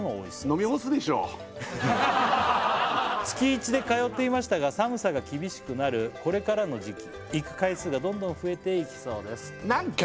飲み干すでしょう「月イチで通っていましたが寒さが厳しくなるこれからの時期」「行く回数がどんどん増えていきそうです」